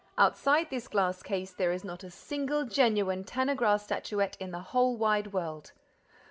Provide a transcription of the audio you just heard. Outside this glass case, there is not a single genuine Tanagra statuette in the whole wide world.